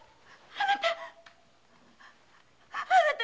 あなた！